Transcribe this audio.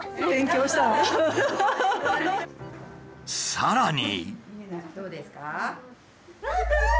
さらに。